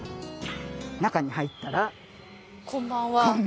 中に入ったら「こんばんは」